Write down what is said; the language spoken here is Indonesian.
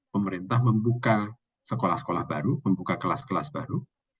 pemerintah membuka sekolah sekolah baru membuka kelas kelas baru